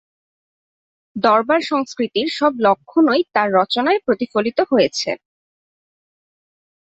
দরবার-সংস্কৃতির সব লক্ষণই তাঁর রচনায় প্রতিফলিত হয়েছে।